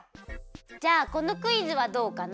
じゃあこのクイズはどうかな？